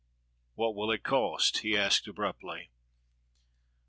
"What will it cost?" he asked abruptly.